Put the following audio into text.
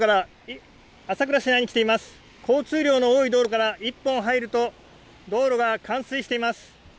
交通量の多い道路から一本入ると道路が冠水しています。